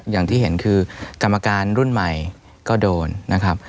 อย่างที่เห็นคือกรรมการรุ่นใหม่ก็โดนนะครับ